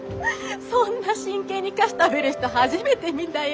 そんな真剣に菓子食べる人初めて見たよ！